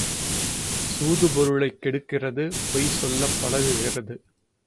சூது பொருளைக் கெடுக்கிறது பொய் சொல்லப் பழக்குகிறது.